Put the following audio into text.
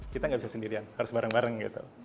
kita nggak bisa sendirian harus bareng bareng gitu